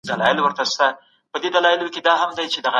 دواړه نظامونه له افراط او تفریط ډک دي.